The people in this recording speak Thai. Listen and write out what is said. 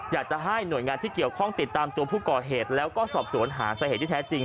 อยากจะให้หน่วยงานที่เกี่ยวข้องติดตามตัวผู้ก่อเหตุแล้วก็สอบสวนหาสาเหตุที่แท้จริง